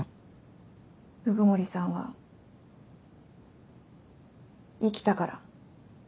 鵜久森さんは生きたから。